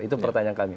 itu pertanyaan kami